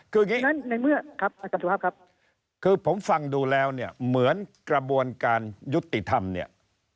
คือผมฟังดูแล้วเนี่ยเหมือนกระบวนการยุติธรรมเนี่ย